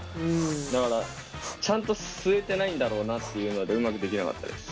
だからちゃんと吸えてないんだろうなっていうのでうまくできなかったです。